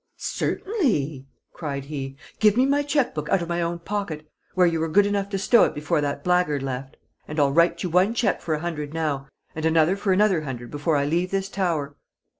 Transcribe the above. "Certainly!" cried he. "Give me my chequebook out of my own pocket, where you were good enough to stow it before that blackguard left, and I'll write you one cheque for a hundred now, and another for another hundred before I leave this tower."